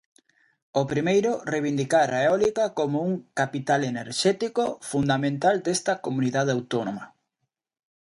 O primeiro, reivindicar a eólica como un capital enerxético fundamental desta comunidade autónoma.